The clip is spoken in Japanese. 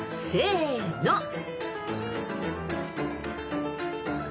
［せの］